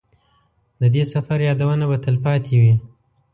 د دې سفر یادونه به تلپاتې وي.